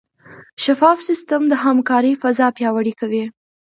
شفاف سیستم د همکارۍ فضا پیاوړې کوي.